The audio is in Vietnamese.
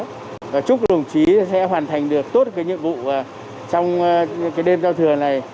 và chúc đồng chí sẽ hoàn thành được tốt những nhiệm vụ trong đêm giao thừa này